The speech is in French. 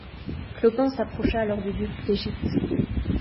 Clopin s’approcha alors du duc d’Égypte.